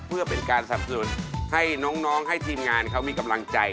เพื่อเป็นการสับสนุนให้น้องให้ทีมงานเขามีกำลังใจ